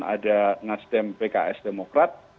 kemudian ada nstem pks demokrat